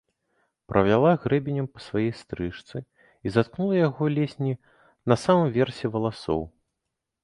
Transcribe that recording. Правяла грэбенем па сваёй стрыжцы і заткнула яго ледзь не на самым версе валасоў.